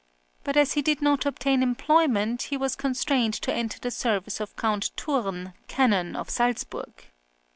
But as he did not obtain employment, he was constrained to enter the service of Count Thurn, Canon of Salzburg.